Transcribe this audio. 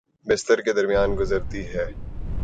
بستر کے درمیان گزرتی ہے